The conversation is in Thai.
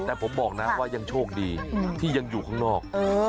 แต่ผมบอกนะว่ายังโชคดีที่ยังอยู่ข้างนอก